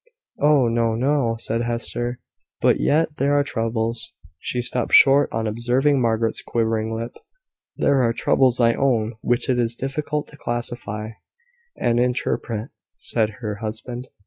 "Oh, no, no!" said Hester; "but yet there are troubles " She stopped short on observing Margaret's quivering lip. "There are troubles, I own, which it is difficult to classify and interpret," said her husband.